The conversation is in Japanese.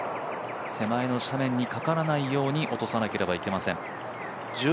手前の斜面にかからないように落とさないといけません。